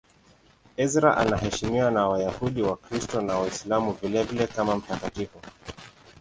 Ezra anaheshimiwa na Wayahudi, Wakristo na Waislamu vilevile kama mtakatifu.